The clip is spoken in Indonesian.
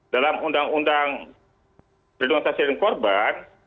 dalam undang undang perlindungan sasaran korban